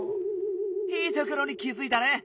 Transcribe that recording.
いいところに気づいたね！